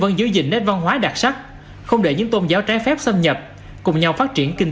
vẫn giữ gìn nét văn hóa đặc sắc không để những tôn giáo trái phép xâm nhập cùng nhau phát triển kinh